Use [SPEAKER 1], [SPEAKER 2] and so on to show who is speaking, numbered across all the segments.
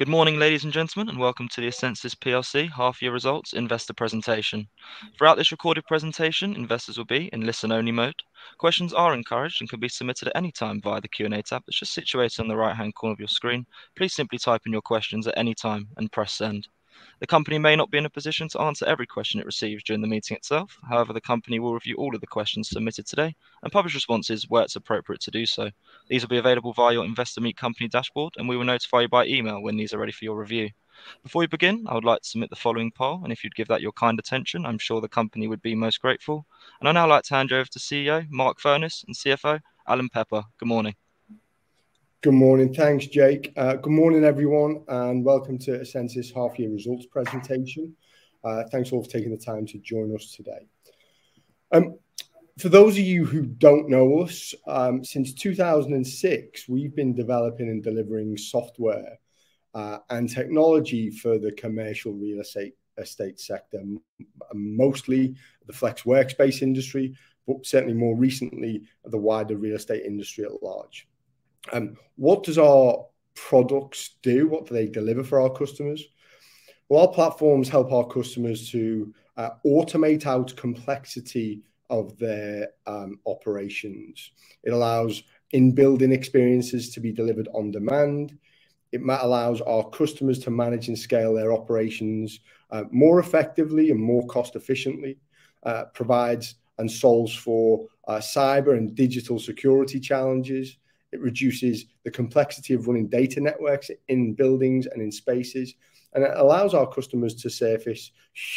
[SPEAKER 1] Good morning, ladies and gentlemen, and welcome to the essensys plc half-year results investor presentation. Throughout this recorded presentation, investors will be in listen-only mode. Questions are encouraged and can be submitted at any time via the Q&A tab that's just situated on the right-hand corner of your screen. Please simply type in your questions at any time and press Send. The company may not be in a position to answer every question it receives during the meeting itself. However, the company will review all of the questions submitted today and publish responses where it's appropriate to do so. These will be available via your Investor Meet Company dashboard, and we will notify you by email when these are ready for your review. Before we begin, I would like to submit the following poll, and if you'd give that your kind attention, I'm sure the company would be most grateful. I'd now like to hand you over to CEO, Mark Furness, and CFO, Alan Pepper. Good morning.
[SPEAKER 2] Good morning. Thanks, Jake. Good morning, everyone, and welcome to essensys half-year results presentation. Thanks all for taking the time to join us today. For those of you who don't know us, since 2006, we've been developing and delivering software and technology for the commercial real estate sector, mostly the flex workspace industry, but certainly more recently, the wider real estate industry at large. What does our products do? What do they deliver for our customers? Well, our platforms help our customers to automate out complexity of their operations. It allows in-building experiences to be delivered on demand. It allows our customers to manage and scale their operations more effectively and more cost efficiently, provides and solves for cyber and digital security challenges. It reduces the complexity of running data networks in buildings and in spaces. It allows our customers to surface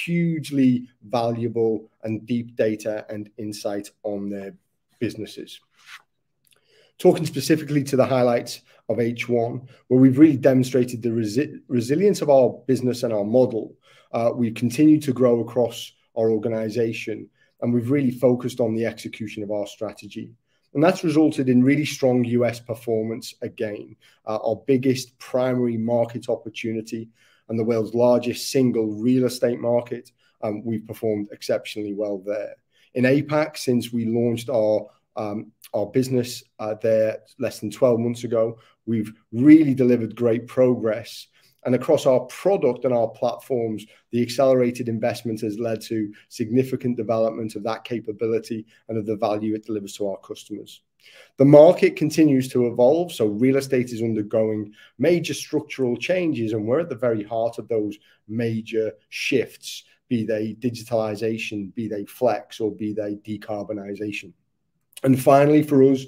[SPEAKER 2] hugely valuable and deep data and insight on their businesses. Talking specifically to the highlights of H1, where we've really demonstrated the resilience of our business and our model, we continue to grow across our organization, and we've really focused on the execution of our strategy. That's resulted in really strong U.S. performance again. Our biggest primary market opportunity and the world's largest single real estate market, we've performed exceptionally well there. In APAC, since we launched our business there less than 12 months ago, we've really delivered great progress. Across our product and our platforms, the accelerated investment has led to significant development of that capability and of the value it delivers to our customers. The market continues to evolve, so real estate is undergoing major structural changes, and we're at the very heart of those major shifts, be they digitalization, be they flex, or be they decarbonization. Finally, for us,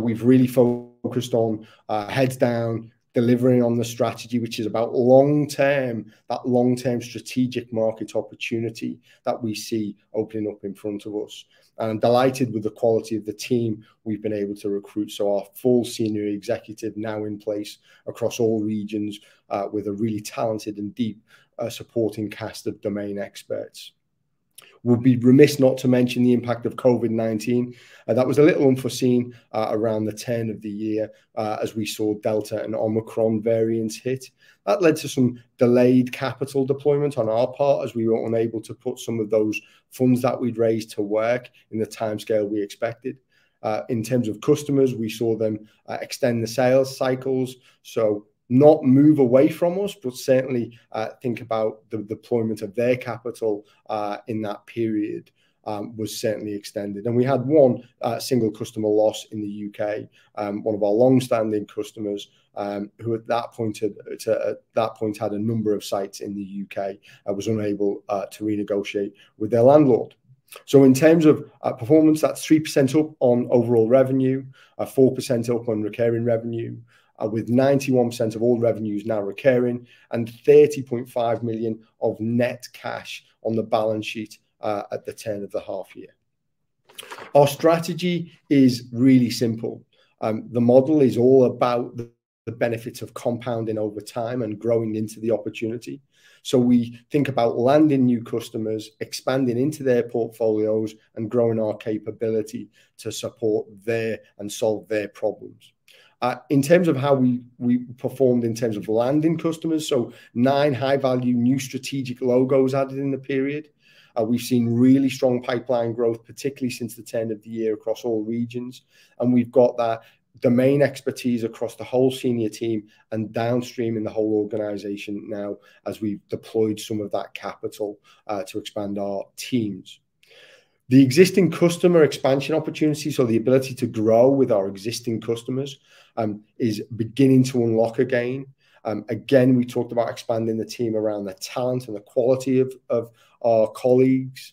[SPEAKER 2] we've really focused on, heads down, delivering on the strategy, which is about long-term, that long-term strategic market opportunity that we see opening up in front of us. Delighted with the quality of the team we've been able to recruit. Our full senior executive now in place across all regions, with a really talented and deep, supporting cast of domain experts. We'll be remiss not to mention the impact of COVID-19. That was a little unforeseen, around the turn of the year, as we saw Delta and Omicron variants hit. That led to some delayed capital deployment on our part, as we were unable to put some of those funds that we'd raised to work in the timescale we expected. In terms of customers, we saw them extend the sales cycles, not move away from us, but certainly think about the deployment of their capital in that period, which was certainly extended. We had one single customer loss in the U.K., one of our long-standing customers, who at that point had a number of sites in the U.K. and was unable to renegotiate with their landlord. In terms of performance, that's 3% up on overall revenue, 4% up on recurring revenue, with 91% of all revenues now recurring and 30.5 million of net cash on the balance sheet, at the turn of the half year. Our strategy is really simple. The model is all about the benefits of compounding over time and growing into the opportunity. We think about landing new customers, expanding into their portfolios and growing our capability to support them and solve their problems. In terms of how we performed in terms of landing customers, nine high-value new strategic logos added in the period. We've seen really strong pipeline growth, particularly since the turn of the year across all regions. We've got that domain expertise across the whole senior team and downstream in the whole organization now as we've deployed some of that capital to expand our teams. The existing customer expansion opportunities or the ability to grow with our existing customers is beginning to unlock again. Again, we talked about expanding the team around the talent and the quality of our colleagues.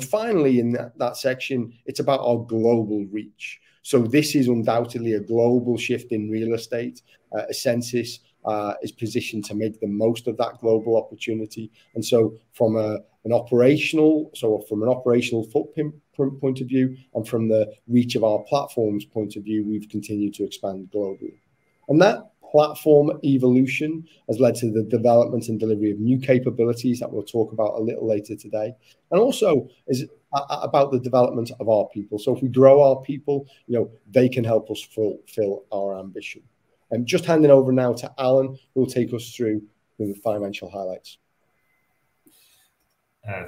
[SPEAKER 2] Finally, in that section, it's about our global reach. This is undoubtedly a global shift in real estate. essensys is positioned to make the most of that global opportunity. From an operational footprint point of view and from the reach of our platforms point of view, we've continued to expand globally. That platform evolution has led to the development and delivery of new capabilities that we'll talk about a little later today. It's also about the development of our people. If we grow our people, you know, they can help us fulfill our ambition. Just handing over now to Alan, who will take us through the financial highlights.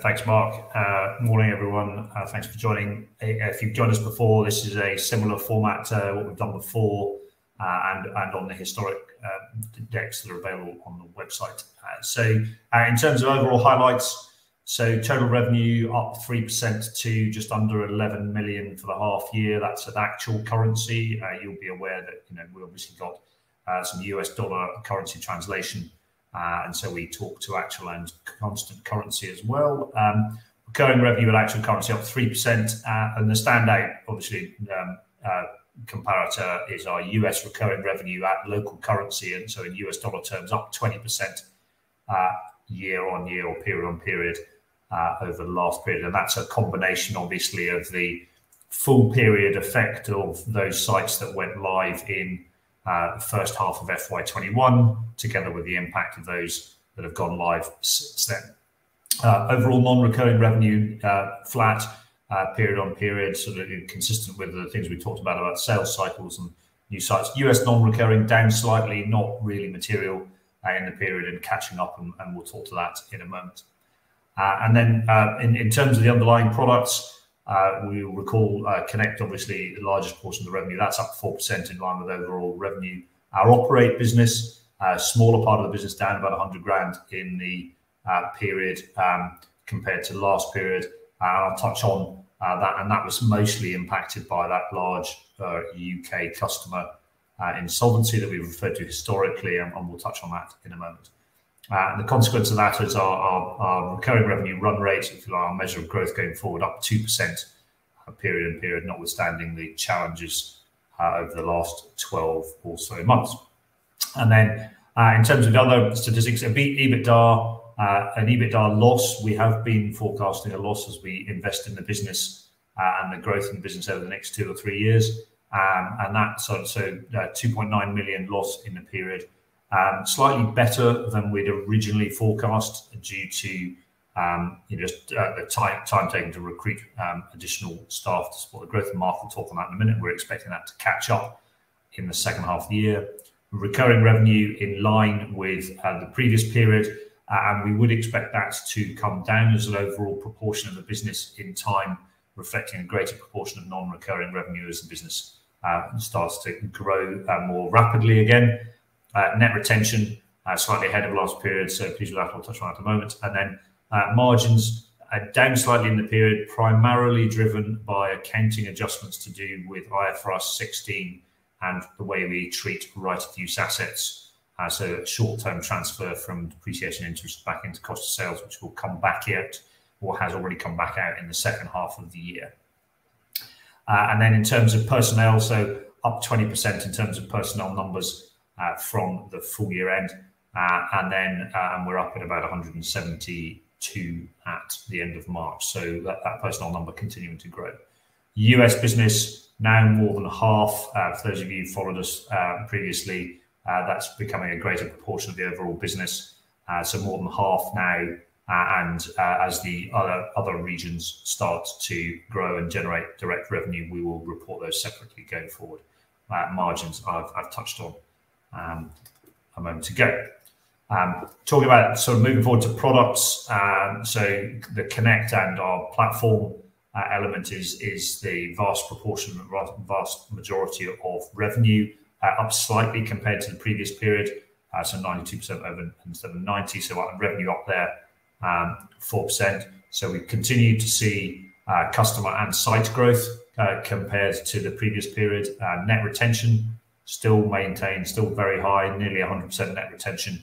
[SPEAKER 3] Thanks, Mark. Morning, everyone. Thanks for joining. If you've joined us before, this is a similar format to what we've done before, and on the historic decks that are available on the website. In terms of overall highlights, total revenue up 3% to just under 11 million for the half year. That's at actual currency. You'll be aware that, you know, we've obviously got some US dollar currency translation, and so we talk to actual and constant currency as well. Recurring revenue at actual currency up 3%. The standout obviously comparator is our U.S. recurring revenue at local currency, and so in US dollar terms, up 20%, year-on-year or period-on-period, over the last period. That's a combination obviously of the full period effect of those sites that went live in the first half of FY 2021, together with the impact of those that have gone live since then. Overall non-recurring revenue flat period-on-period, sort of consistent with the things we talked about sales cycles and new sites. U.S. non-recurring down slightly, not really material in the period and catching up, and we'll talk to that in a moment. Then in terms of the underlying products, we will recall Connect obviously the largest portion of the revenue, that's up 4% in line with overall revenue. Our Operate business, a smaller part of the business, down about 100,000 in the period compared to the last period. I'll touch on that, and that was mostly impacted by that large U.K. customer insolvency that we referred to historically, and we'll touch on that in a moment. The consequence of that is our recurring revenue run rate, if you like, our measure of growth going forward, up 2% period-on-period, notwithstanding the challenges over the last 12 or so months. Then, in terms of other statistics, EBITDA and EBITDA loss, we have been forecasting a loss as we invest in the business and the growth in the business over the next two or three years. So a 2.9 million loss in the period. Slightly better than we'd originally forecast due to, you know, just, the time taken to recruit additional staff to support the growth, and Mark will talk on that in a minute. We're expecting that to catch up in the second half of the year. Recurring revenue in line with the previous period, and we would expect that to come down as an overall proportion of the business in time, reflecting a greater proportion of non-recurring revenue as the business starts to grow more rapidly again. Net retention slightly ahead of last period, so please allow me to touch on that in a moment. Margins are down slightly in the period, primarily driven by accounting adjustments to do with IFRS 16 and the way we treat right-of-use assets as a short-term transfer from depreciation interest back into cost of sales, which will come back out or has already come back out in the second half of the year. In terms of personnel, up 20% in terms of personnel numbers from the full year end. We're up at about 172 at the end of March. That personnel number continuing to grow. U.S. business now more than half. For those of you who followed us previously, that's becoming a greater proportion of the overall business. More than half now, and as the other regions start to grow and generate direct revenue, we will report those separately going forward. Margins I've touched on a moment ago. Talking about sort of moving forward to products. The Connect and our platform element is the vast majority of revenue, up slightly compared to the previous period. 92% over instead of 90. Revenue up there, 4%. We continue to see customer and site growth compared to the previous period. Net retention still maintained, still very high, nearly 100% net retention.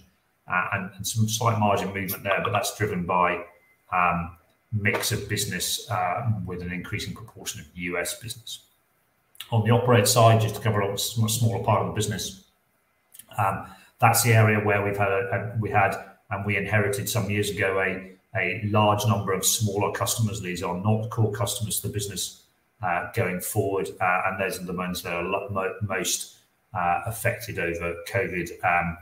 [SPEAKER 3] Some slight margin movement there, but that's driven by mix of business, with an increasing proportion of U.S. business. On the Operate side, just to cover a small part of the business, that's the area where we had and we inherited some years ago a large number of smaller customers. These are not core customers to the business going forward. Those at the moment are most affected over COVID-19.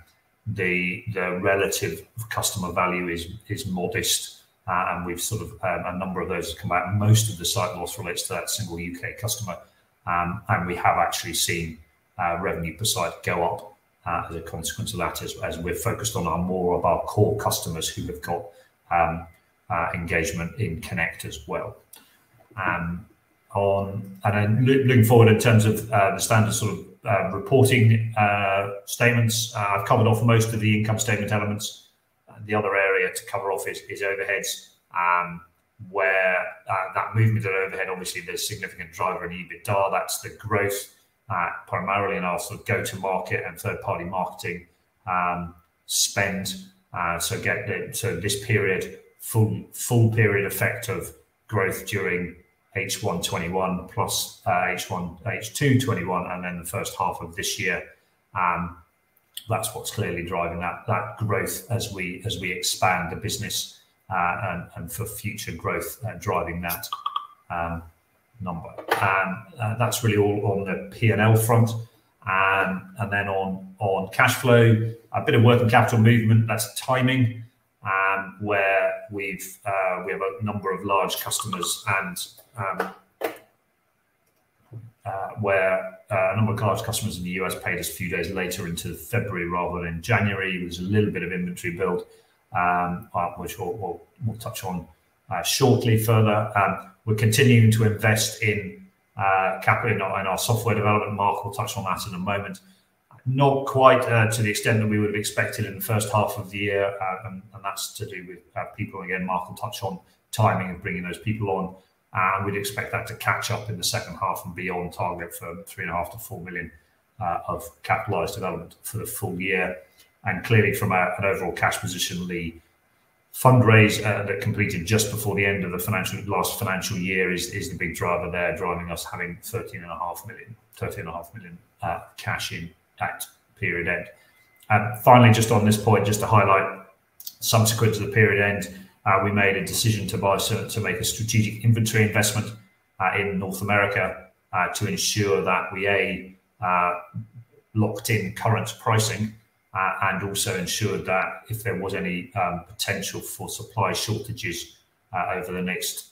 [SPEAKER 3] The relative customer value is modest, and we've sort of a number of those have come out. Most of the site loss relates to that single U.K. customer. We have actually seen revenue per site go up as a consequence of that as we're focused on more of our core customers who have got engagement in Connect as well. Looking forward in terms of the standard sort of reporting statements, I've covered off most of the income statement elements. The other area to cover off is overheads, where that movement of overhead obviously there's significant driver in EBITDA. That's the growth primarily in our sort of go-to-market and third-party marketing spend. This full period effect of growth during H1 2021 plus H2 2021 and then the first half of this year, that's what's clearly driving that growth as we expand the business and for future growth driving that number. That's really all on the P&L front. On cash flow, a bit of working capital movement, that's timing, where we have a number of large customers in the U.S. paid us a few days later into February rather than January. There was a little bit of inventory build, which we'll touch on shortly further. We're continuing to invest in capital in our software development. Mark will touch on that in a moment. Not quite to the extent that we would have expected in the first half of the year, and that's to do with people. Again, Mark will touch on timing of bringing those people on, and we'd expect that to catch up in the second half and be on target for 3.5 million-4 million of capitalized development for the full year. Clearly, from an overall cash position, the fundraise that completed just before the end of the last financial year is the big driver there, driving us having 13.5 million cash in at period end. Finally, just on this point, just to highlight subsequent to the period end, we made a decision to make a strategic inventory investment in North America to ensure that we, A, locked in current pricing and also ensured that if there was any potential for supply shortages over the next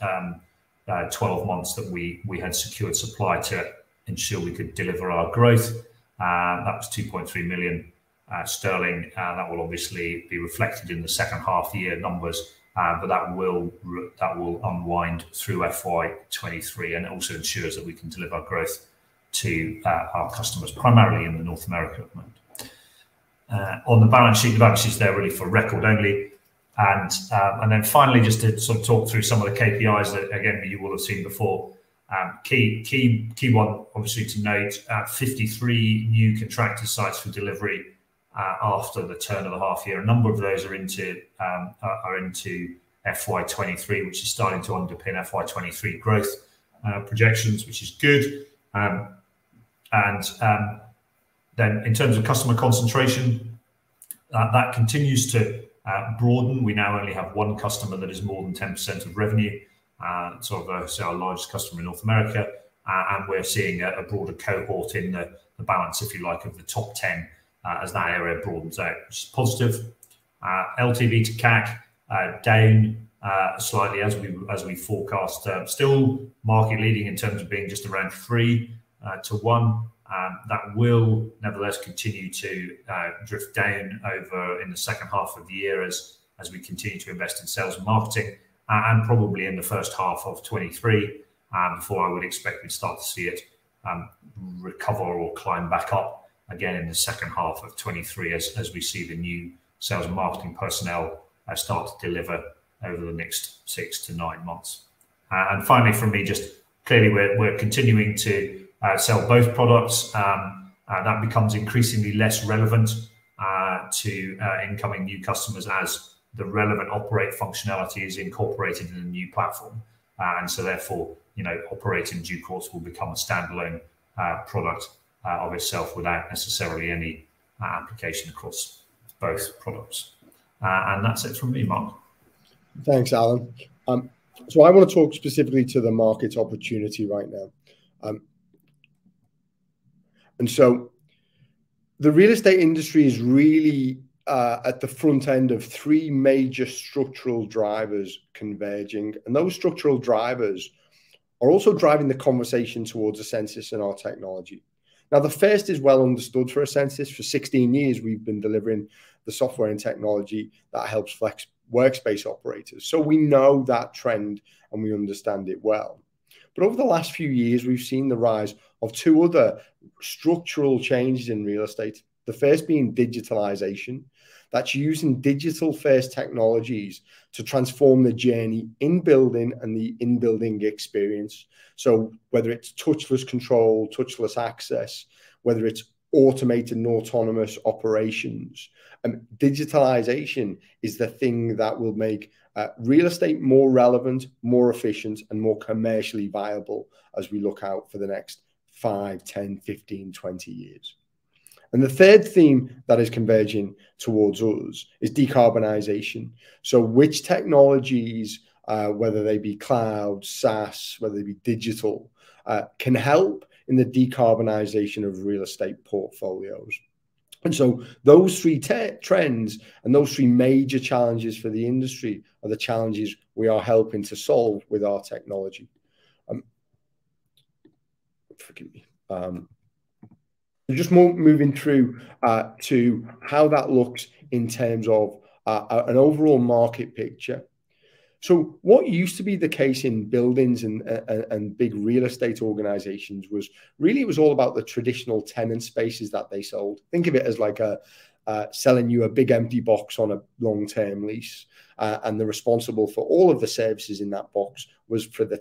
[SPEAKER 3] 12 months, that we had secured supply to ensure we could deliver our growth. That was 2.3 million sterling. That will obviously be reflected in the second half-year numbers, but that will unwind through FY 2023 and also ensures that we can deliver growth to our customers primarily in North America at the moment. On the balance sheet, the balance sheet's there really for record only. Finally, just to sort of talk through some of the KPIs that, again, you will have seen before. Key one obviously to note, 53 new contracted sites for delivery after the turn of the half year. A number of those are into FY 2023, which is starting to underpin FY 2023 growth projections, which is good. In terms of customer concentration, that continues to broaden. We now only have one customer that is more than 10% of revenue, sort of obviously our largest customer in North America. We're seeing a broader cohort in the balance, if you like, of the top ten, as that area broadens out. So positive. LTV to CAC down slightly as we forecast. Still market leading in terms of being just around 3 to 1. That will nevertheless continue to drift down over the second half of the year as we continue to invest in sales and marketing and probably in the first half of 2023 before I would expect we'd start to see it recover or climb back up again in the second half of 2023 as we see the new sales and marketing personnel start to deliver over the next 6-9 months. Finally from me, just clearly we're continuing to sell both products. That becomes increasingly less relevant to incoming new customers as the relevant Operate functionality is incorporated in the new platform. Therefore, you know, Operate in due course will become a standalone product of itself without necessarily any application across both products. That's it from me, Mark. Thanks, Alan. I want to talk specifically to the market opportunity right now. The real estate industry is really at the front end of three major structural drivers converging, and those structural drivers are also driving the conversation towards essensys and our technology. The first is well understood for essensys. For 16 years, we've been delivering the software and technology that helps flex workspace operators. We know that trend, and we understand it well. Over the last few years, we've seen the rise of two other structural changes in real estate. The first being digitalization. That's using digital-first technologies to transform the journey in building and the in-building experience.
[SPEAKER 2] Whether it's touchless control, touchless access, whether it's automated and autonomous operations, digitalization is the thing that will make real estate more relevant, more efficient, and more commercially viable as we look out for the next five, 10, 15, 20 years. The third theme that is converging towards us is decarbonization. Which technologies, whether they be cloud, SaaS, whether they be digital, can help in the decarbonization of real estate portfolios. Those three trends and those three major challenges for the industry are the challenges we are helping to solve with our technology. Forgive me. Just moving through to how that looks in terms of an overall market picture. What used to be the case in buildings and big real estate organizations was really it was all about the traditional tenant spaces that they sold. Think of it as like, selling you a big empty box on a long-term lease, and they're responsible for all of the services in that box was for the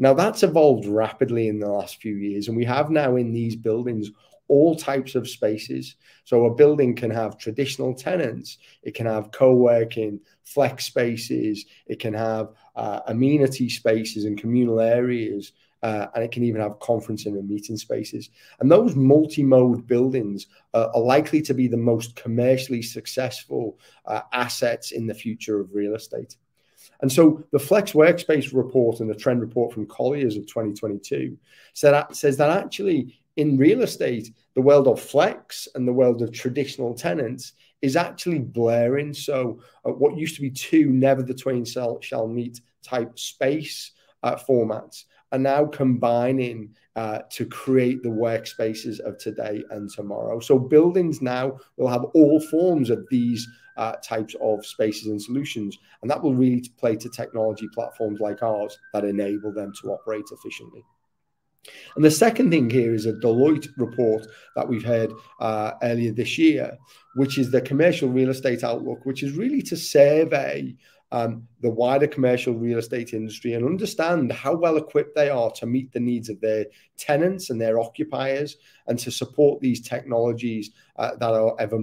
[SPEAKER 2] tenant. That's evolved rapidly in the last few years, and we have now in these buildings all types of spaces. A building can have traditional tenants, it can have co-working, flex spaces, it can have, amenity spaces and communal areas, and it can even have conferencing and meeting spaces. Those multi-mode buildings are likely to be the most commercially successful assets in the future of real estate. The Flexible Workspace Report and the Trend Report from Colliers of 2022 says that actually in real estate, the world of flex and the world of traditional tenants is actually blurring. What used to be two never the twain shall meet type space formats are now combining to create the workspaces of today and tomorrow. Buildings now will have all forms of these types of spaces and solutions, and that will really play to technology platforms like ours that enable them to operate efficiently. The second thing here is a Deloitte report that we've had earlier this year which is the Commercial Real Estate Outlook which is really to survey the wider commercial real estate industry and understand how well-equipped they are to meet the needs of their tenants and their occupiers and to support these technologies that are ever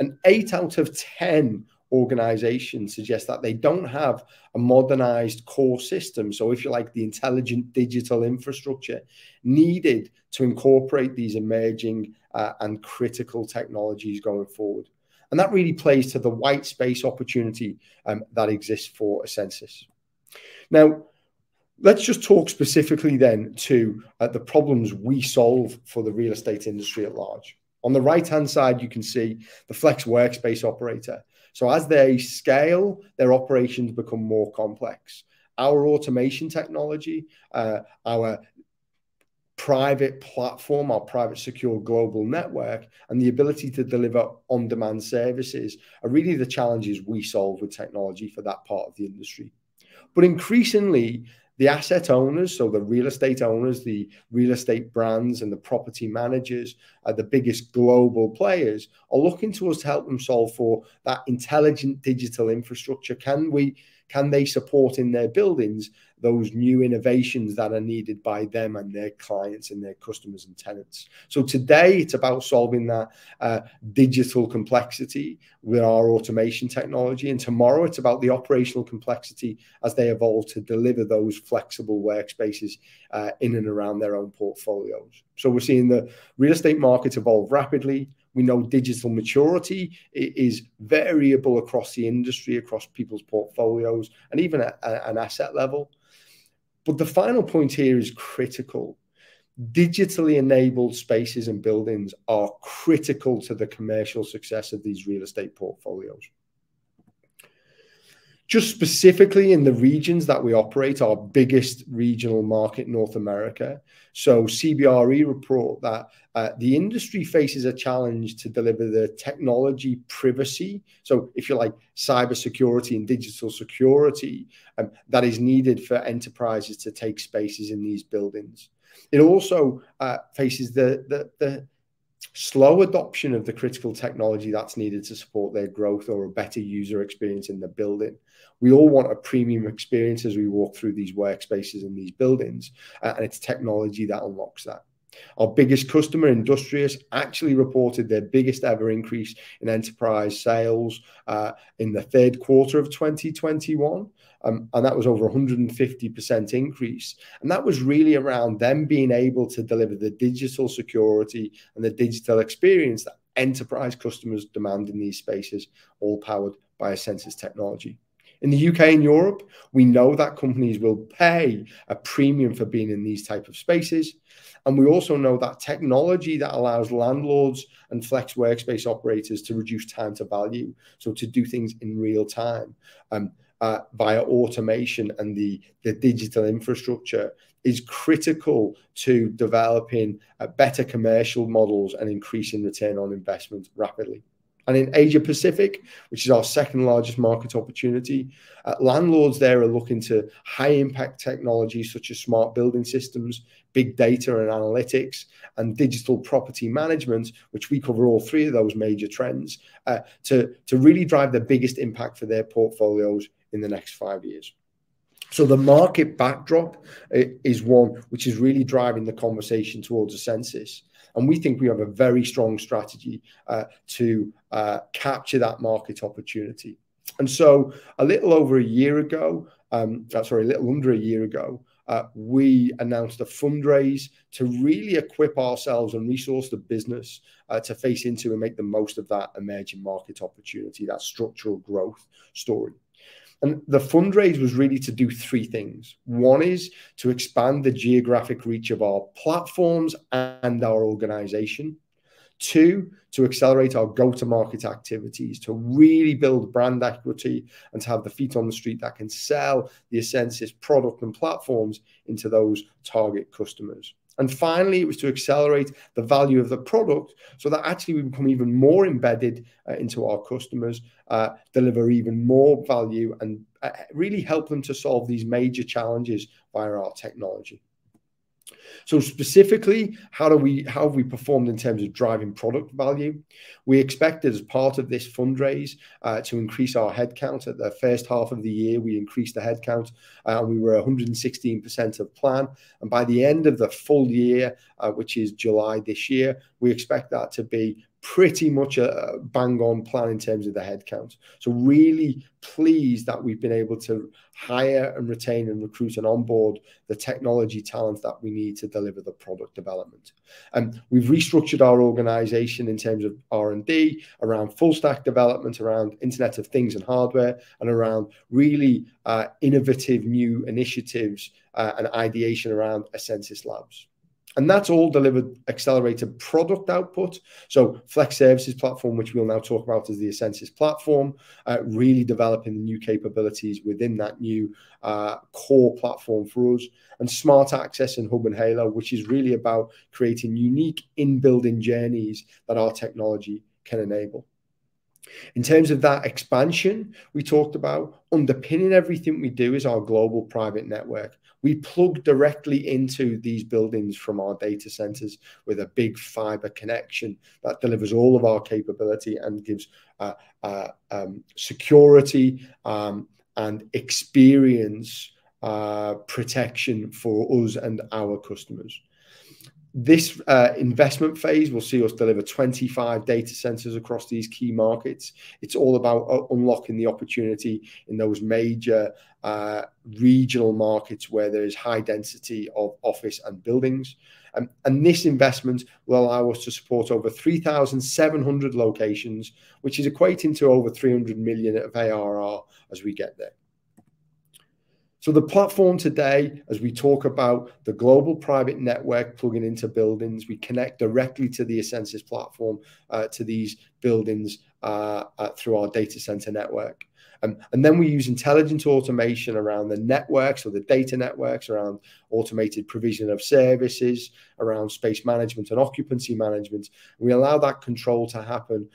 [SPEAKER 2] more important. 8/10 organizations suggest that they don't have a modernized core system, so if you like, the intelligent digital infrastructure needed to incorporate these emerging and critical technologies going forward. That really plays to the white space opportunity that exists for essensys. Now, let's just talk specifically then to, the problems we solve for the real estate industry at large. On the right-hand side you can see the flex workspace operator. As they scale, their operations become more complex. Our automation technology, our private platform, our private secure global network, and the ability to deliver on-demand services are really the challenges we solve with technology for that part of the industry. Increasingly, the asset owners, so the real estate owners, the real estate brands and the property managers are the biggest global players, are looking to us to help them solve for that intelligent digital infrastructure. Can they support in their buildings those new innovations that are needed by them and their clients and their customers and tenants? Today it's about solving that, digital complexity with our automation technology, and tomorrow it's about the operational complexity as they evolve to deliver those flexible workspaces, in and around their own portfolios. We're seeing the real estate market evolve rapidly. We know digital maturity is variable across the industry, across people's portfolios and even at an asset level. The final point here is critical. Digitally enabled spaces and buildings are critical to the commercial success of these real estate portfolios. Just specifically in the regions that we operate, our biggest regional market, North America, so CBRE report that, the industry faces a challenge to deliver the technology, privacy, so if you like, cybersecurity and digital security, that is needed for enterprises to take spaces in these buildings. It also faces the slow adoption of the critical technology that's needed to support their growth or a better user experience in the building. We all want a premium experience as we walk through these workspaces and these buildings, and it's technology that unlocks that. Our biggest customer, Industrious, actually reported their biggest ever increase in enterprise sales in the third quarter of 2021. That was over 150% increase. That was really around them being able to deliver the digital security and the digital experience that enterprise customers demand in these spaces, all powered by essensys technology. In the U.K. and Europe, we know that companies will pay a premium for being in these type of spaces, and we also know that technology that allows landlords and flex workspace operators to reduce time to value, so to do things in real time, via automation and the digital infrastructure, is critical to developing a better commercial models and increasing return on investment rapidly. In Asia Pacific, which is our second-largest market opportunity, landlords there are looking to high-impact technologies such as smart building systems, big data and analytics, and digital property management, which we cover all three of those major trends, to really drive the biggest impact for their portfolios in the next five years. The market backdrop is one which is really driving the conversation towards essensys, and we think we have a very strong strategy to capture that market opportunity. A little under a year ago, we announced a fundraise to really equip ourselves and resource the business to face into and make the most of that emerging market opportunity, that structural growth story. The fundraise was really to do three things. One is to expand the geographic reach of our platforms and our organization. Two, to accelerate our go-to-market activities, to really build brand equity and to have the feet on the street that can sell the essensys product and platforms into those target customers. Finally, it was to accelerate the value of the product so that actually we become even more embedded into our customers, deliver even more value and really help them to solve these major challenges via our technology. Specifically, how have we performed in terms of driving product value? We expected as part of this fundraise to increase our head count. In the first half of the year, we increased the head count. We were 116% of plan. By the end of the full year, which is July this year, we expect that to be pretty much bang on plan in terms of the head count. Really pleased that we've been able to hire and retain and recruit and onboard the technology talent that we need to deliver the product development. We've restructured our organization in terms of R&D around full stack development, around Internet of Things and hardware, and around really innovative new initiatives, and ideation around essensys Labs. That's all delivered accelerated product output. Flex Services platform, which we'll now talk about as the essensys platform, really developing new capabilities within that new core platform for us. Smart Access and Hub and Halo, which is really about creating unique in-building journeys that our technology can enable. In terms of that expansion we talked about, underpinning everything we do is our global private network. We plug directly into these buildings from our data centers with a big fiber connection that delivers all of our capability and gives security and experience protection for us and our customers. This investment phase will see us deliver 25 data centers across these key markets. It's all about unlocking the opportunity in those major regional markets where there is high density of offices and buildings. This investment will allow us to support over 3,700 locations, which is equating to over 300 million of ARR as we get there. The platform today, as we talk about the global private network plugging into buildings, we connect directly to the essensys platform to these buildings through our data center network. Then we use intelligent automation around the networks or the data networks, around automated provision of services, around space management and occupancy management. We allow that control to happen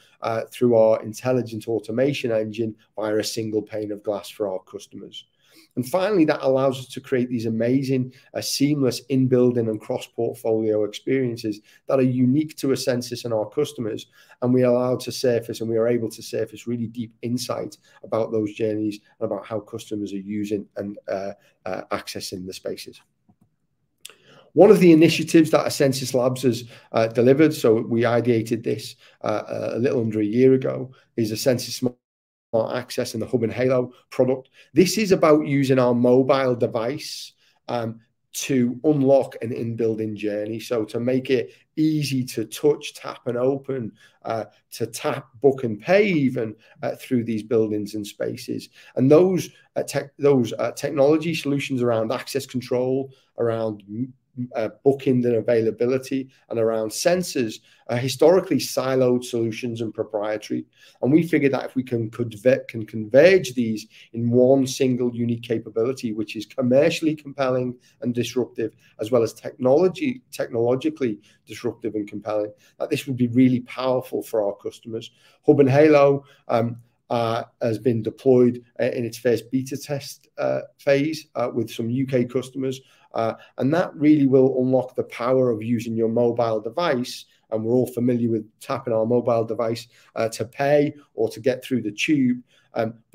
[SPEAKER 2] through our intelligent automation engine via a single pane of glass for our customers. That allows us to create these amazing seamless in-building and cross-portfolio experiences that are unique to essensys and our customers, and we are able to surface really deep insights about those journeys and about how customers are using and accessing the spaces. One of the initiatives that essensys Labs has delivered, so we ideated this a little under a year ago, is essensys Smart Access and the Hub and Halo product. This is about using our mobile device to unlock an in-building journey. To make it easy to tap, book and pay even through these buildings and spaces. Those technology solutions around access control, around booking and availability, and around sensors are historically siloed solutions and proprietary. We figured that if we can converge these in one single unique capability which is commercially compelling and disruptive, as well as technologically disruptive and compelling, that this would be really powerful for our customers. Hub and Halo has been deployed in its first beta test phase with some U.K. customers. That really will unlock the power of using your mobile device, and we're all familiar with tapping our mobile device to pay or to get through the tube.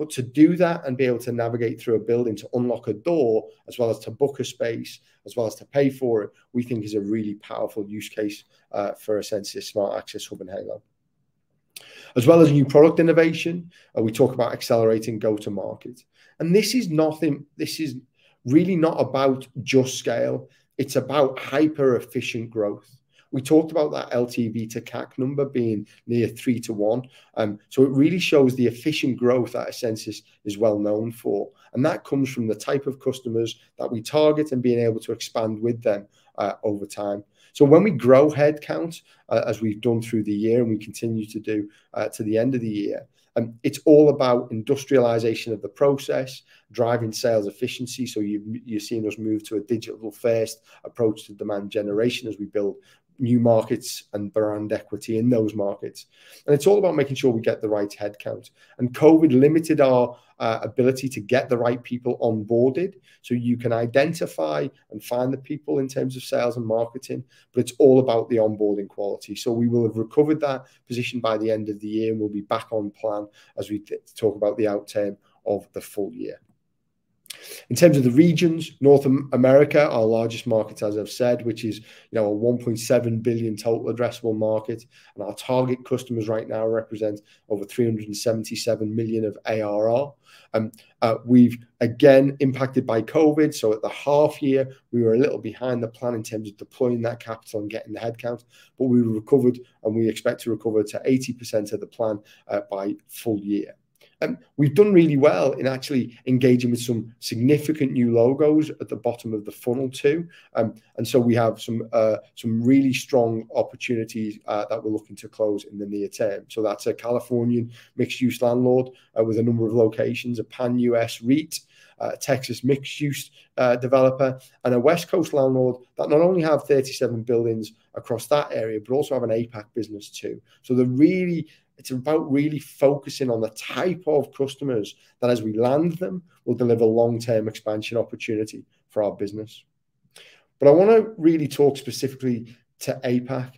[SPEAKER 2] To do that and be able to navigate through a building to unlock a door, as well as to book a space, as well as to pay for it, we think is a really powerful use case for essensys Smart Access, Hub and Halo. As well as new product innovation, we talk about accelerating go to market. This is really not about just scale, it's about hyper-efficient growth. We talked about that LTV to CAC number being near 3 to 1. It really shows the efficient growth that essensys is well known for. That comes from the type of customers that we target and being able to expand with them over time. When we grow head count, as we've done through the year and we continue to do, to the end of the year, it's all about industrialization of the process, driving sales efficiency. You're seeing us move to a digital-first approach to demand generation as we build new markets and brand equity in those markets. It's all about making sure we get the right head count. COVID limited our ability to get the right people onboarded. You can identify and find the people in terms of sales and marketing, but it's all about the onboarding quality. We will have recovered that position by the end of the year, and we'll be back on plan as we talk about the outturn of the full year. In terms of the regions, North America, our largest market, as I've said, which is, you know, a $1.7 billion total addressable market. Our target customers right now represent over $377 million of ARR. We've been impacted again by COVID. At the half year we were a little behind the plan in terms of deploying that capital and getting the head count, but we recovered and we expect to recover to 80% of the plan by full year. We've done really well in actually engaging with some significant new logos at the bottom of the funnel too. We have some really strong opportunities that we're looking to close in the near term. That's a Californian mixed-use landlord with a number of locations, a pan-U.S. REIT, Texas mixed-use developer, and a West Coast landlord that not only have 37 buildings across that area, but also have an APAC business too. It's about really focusing on the type of customers that as we land them, will deliver long-term expansion opportunity for our business. I wanna really talk specifically to APAC.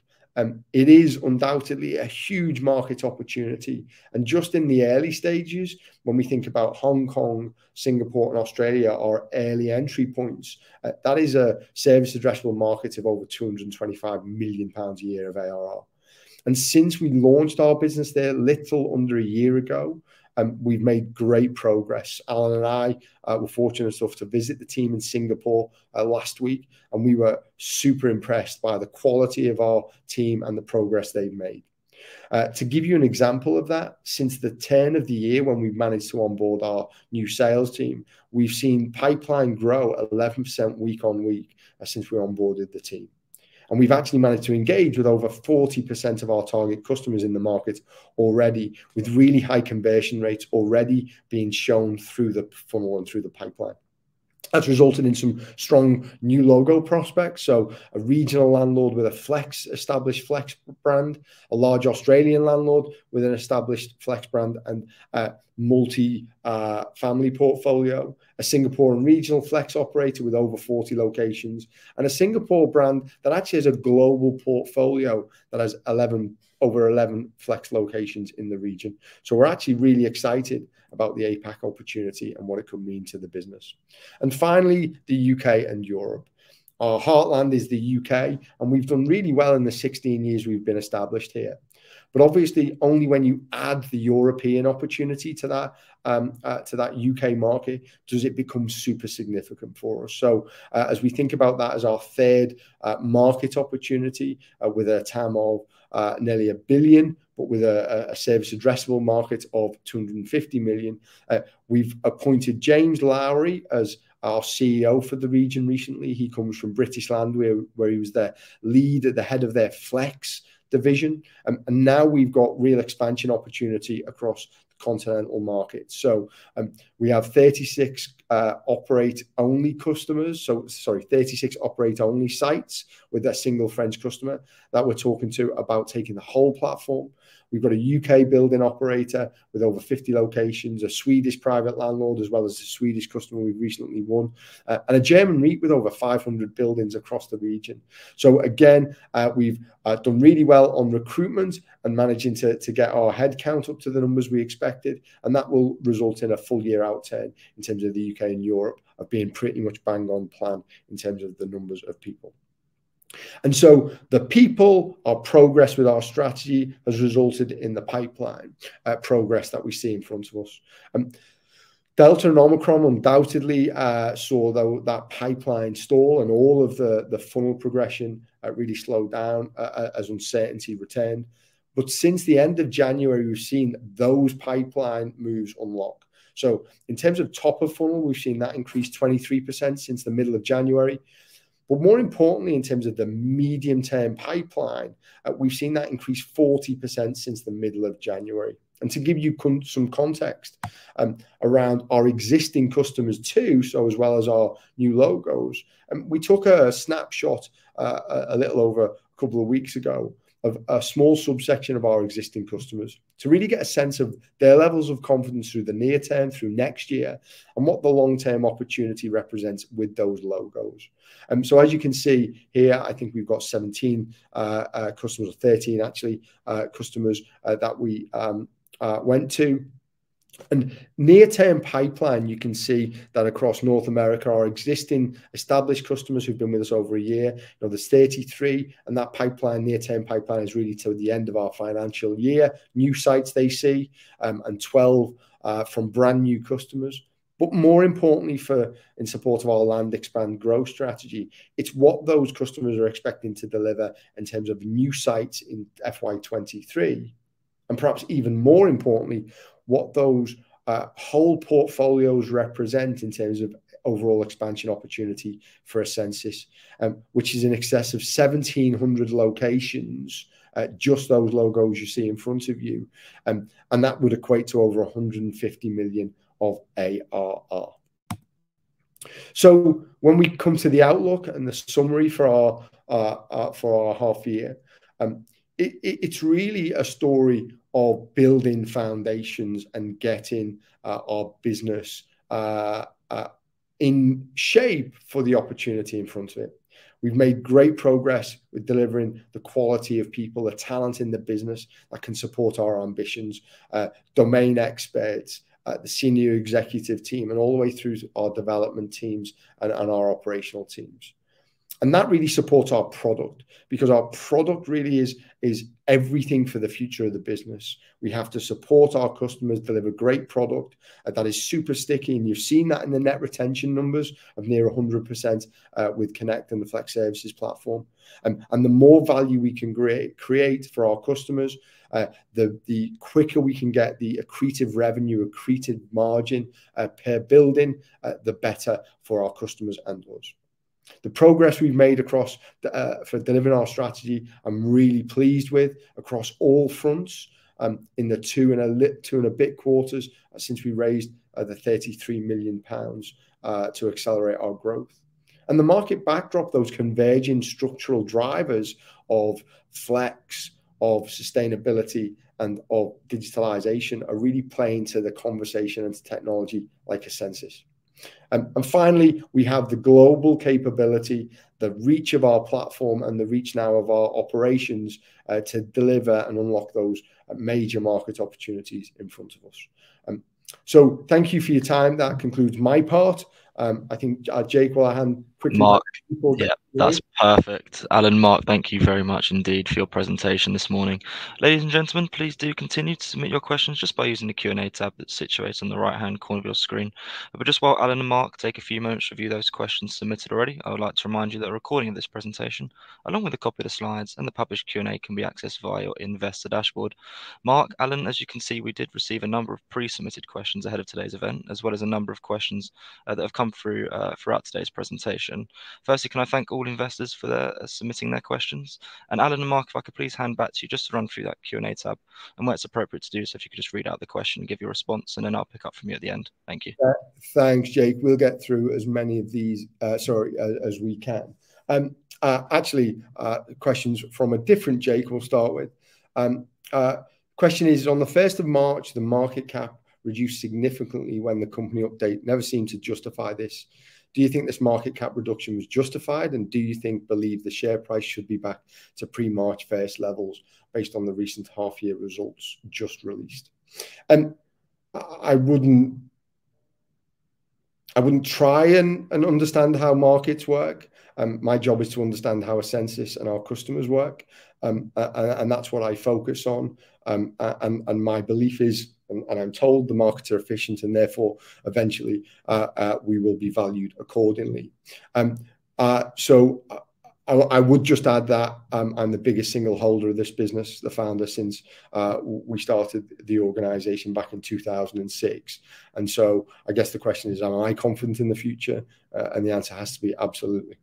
[SPEAKER 2] It is undoubtedly a huge market opportunity. Just in the early stages, when we think about Hong Kong, Singapore, and Australia, our early entry points, that is a serviceable addressable market of over 225 million pounds a year of ARR. Since we launched our business there little under a year ago, we've made great progress. Alan and I were fortunate enough to visit the team in Singapore last week, and we were super impressed by the quality of our team and the progress they've made. To give you an example of that, since the turn of the year when we've managed to onboard our new sales team, we've seen pipeline grow 11% week on week, since we onboarded the team. We've actually managed to engage with over 40% of our target customers in the market already, with really high conversion rates already being shown through the funnel and through the pipeline. That's resulted in some strong new logo prospects. A regional landlord with a flex, established flex brand, a large Australian landlord with an established flex brand and a multi-family portfolio, a Singaporean regional flex operator with over 40 locations, and a Singapore brand that actually has a global portfolio that has over 11 flex locations in the region. We're actually really excited about the APAC opportunity and what it could mean to the business. Finally, the U.K. and Europe. Our heartland is the U.K., and we've done really well in the 16 years we've been established here. Obviously only when you add the European opportunity to that to that UK market does it become super significant for us. As we think about that as our third market opportunity with a TAM of nearly 1 billion but with a service addressable market of 250 million we've appointed James Lowery as our CEO for the region recently. He comes from British Land where he was their lead at the head of their flex division. Now we've got real expansion opportunity across the continental market. Sorry, we have 36 operate-only sites with a single French customer that we're talking to about taking the whole platform. We've got a U.K. building operator with over 50 locations, a Swedish private landlord as well as a Swedish customer we've recently won, and a German REIT with over 500 buildings across the region. Again, we've done really well on recruitment and managing to get our head count up to the numbers we expected, and that will result in a full year outturn in terms of the U.K. and Europe of being pretty much bang on plan in terms of the numbers of people. The people, our progress with our strategy, has resulted in the pipeline progress that we see in front of us. Delta and Omicron undoubtedly saw that pipeline stall and all of the funnel progression really slow down as uncertainty returned. Since the end of January, we've seen those pipeline moves unlock. In terms of top of funnel, we've seen that increase 23% since the middle of January. More importantly in terms of the medium-term pipeline, we've seen that increase 40% since the middle of January. To give you some context around our existing customers too, as well as our new logos, we took a snapshot a little over a couple of weeks ago of a small subsection of our existing customers to really get a sense of their levels of confidence through the near term, through next year, and what the long-term opportunity represents with those logos. As you can see here, I think we've got 17 customers, or 13 actually, customers that we went to. Near-term pipeline, you can see that across North America our existing established customers who've been with us over a year, you know, there's 33, and that pipeline, near-term pipeline is really till the end of our financial year. New sites they see and 12 from brand-new customers. But more importantly, in support of our land expand growth strategy, it's what those customers are expecting to deliver in terms of new sites in FY 2023, and perhaps even more importantly, what those whole portfolios represent in terms of overall expansion opportunity for essensys, which is in excess of 1,700 locations, just those logos you see in front of you. And that would equate to over 150 million of ARR. When we come to the outlook and the summary for our half year, it's really a story of building foundations and getting our business in shape for the opportunity in front of it. We've made great progress with delivering the quality of people, the talent in the business that can support our ambitions, domain experts, the senior executive team, and all the way through to our development teams and our operational teams. That really supports our product, because our product really is everything for the future of the business. We have to support our customers deliver great product that is super sticky, and you've seen that in the net retention numbers of near 100%, with Connect and the Flex Services platform. The more value we can create for our customers, the quicker we can get the accretive revenue, accretive margin per building, the better for our customers and us. The progress we've made across for delivering our strategy I'm really pleased with across all fronts, in the two and a bit quarters since we raised 33 million pounds to accelerate our growth. The market backdrop, those converging structural drivers of flex, of sustainability, and of digitalization are really playing into the conversation on technology like essensys. Finally, we have the global capability, the reach of our platform, and the reach now of our operations to deliver and unlock those major market opportunities in front of us. Thank you for your time. That concludes my part. I think, Jake, while I hand quickly over to people here.
[SPEAKER 1] Mark-
[SPEAKER 2] Yeah.
[SPEAKER 1] Yeah, that's perfect. Alan, Mark, thank you very much indeed for your presentation this morning. Ladies and gentlemen, please do continue to submit your questions just by using the Q&A tab that's situated on the right-hand corner of your screen. Just while Alan and Mark take a few moments to review those questions submitted already, I would like to remind you that a recording of this presentation, along with a copy of the slides and the published Q&A, can be accessed via your investor dashboard. Mark, Alan, as you can see, we did receive a number of pre-submitted questions ahead of today's event, as well as a number of questions that have come through throughout today's presentation. Firstly, can I thank all investors for their submitting their questions? Alan and Mark, if I could please hand back to you just to run through that Q&A tab and where it's appropriate to do so, if you could just read out the question and give your response, and then I'll pick up from you at the end. Thank you.
[SPEAKER 2] Thanks, Jake. We'll get through as many of these, sorry, as we can. Actually, the question's from a different Jake we'll start with. Question is: On the 1st of March, the market cap reduced significantly when the company update never seemed to justify this. Do you think this market cap reduction was justified, and do you think, believe the share price should be back to pre-March 1st levels based on the recent half year results just released? I wouldn't try and understand how markets work. My job is to understand how essensys and our customers work. That's what I focus on. My belief is, I'm told the markets are efficient, and therefore eventually we will be valued accordingly. I would just add that I'm the biggest single holder of this business, the founder since we started the organization back in 2006. I guess the question is, am I confident in the future? The answer has to be absolutely.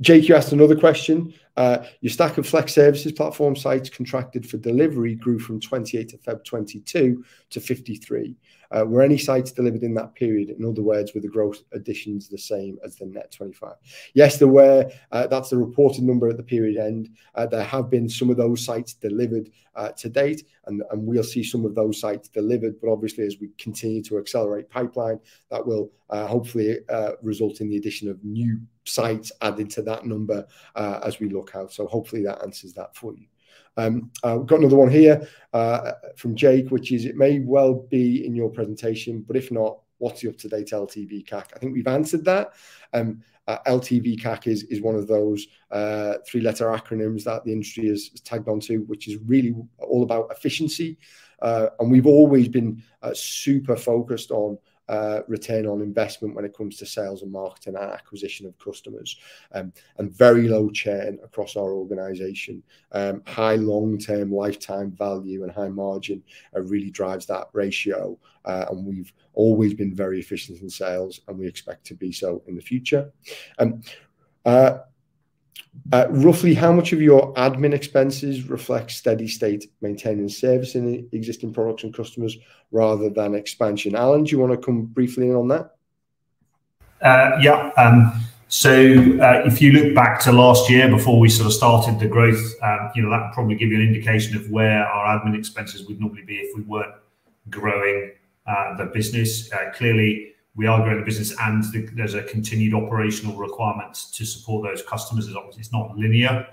[SPEAKER 2] Jake, you asked another question. Your stack of flex services platform sites contracted for delivery grew from 28 at Feb 2022 to 53. Were any sites delivered in that period? In other words, were the growth additions the same as the net 25? Yes, there were. That's the reported number at the period end. There have been some of those sites delivered to date, and we'll see some of those sites delivered, but obviously as we continue to accelerate pipeline, that will hopefully result in the addition of new sites added to that number as we look out. Hopefully that answers that for you. We've got another one here from Jake, which is, it may well be in your presentation, but if not, what's your up-to-date LTV to CAC? I think we've answered that. LTV to CAC is one of those three-letter acronyms that the industry has tagged onto, which is really all about efficiency. We've always been super focused on return on investment when it comes to sales and marketing and acquisition of customers. Very low churn across our organization. High long-term lifetime value and high margin really drives that ratio. We've always been very efficient in sales, and we expect to be so in the future. Roughly how much of your admin expenses reflect steady state maintaining service in the existing products and customers rather than expansion? Alan, do you wanna come briefly in on that?
[SPEAKER 3] Yeah. If you look back to last year before we sort of started the growth, you know, that'll probably give you an indication of where our admin expenses would normally be if we weren't growing the business. Clearly we are growing the business, and there's a continued operational requirement to support those customers. Obviously, it's not linear.